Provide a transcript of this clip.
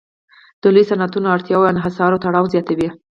د لویو صنعتونو اړتیاوې انحصار او تړاو زیاتوي